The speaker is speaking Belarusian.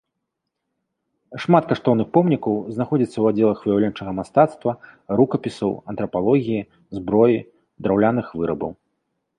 Шмат каштоўных помнікаў знаходзіцца ў аддзелах выяўленчага мастацтва, рукапісаў, антрапалогіі, зброі, драўляных вырабаў.